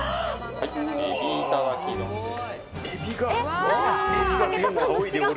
えびいただき丼です。